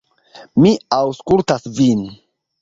Mi aŭskultas vin.